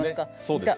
いた。